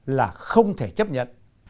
là không thể chấp nhận